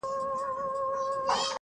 • ناځوانه برید وسو -